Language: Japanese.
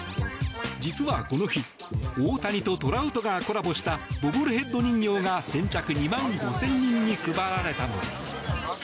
実はこの日大谷とトラウトがコラボしたボブルヘッド人形が先着２万５０００人に配られたのです。